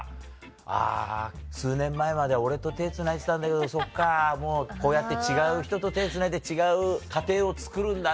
あ数年前までは俺と手つないでたんだけどそっかもうこうやって違う人と手つないで違う家庭をつくるんだなって。